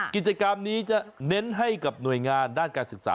กิจกรรมนี้จะเน้นให้กับหน่วยงานด้านการศึกษา